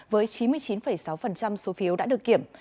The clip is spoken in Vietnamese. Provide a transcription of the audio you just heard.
với chín mươi chín sáu số phiếu đã được kiểm